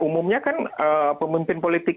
umumnya kan pemimpin politik